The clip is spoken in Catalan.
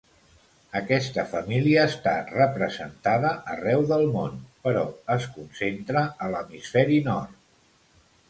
Aquesta família està representada arreu del món, però es concentra a l'hemisferi nord.